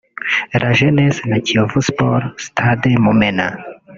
La Jeunesse na Kiyovu Sports (Stade Mumena)